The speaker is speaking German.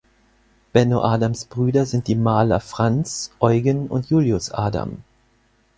Benno Adams Brüder sind die Maler Franz, Eugen und Julius Adam.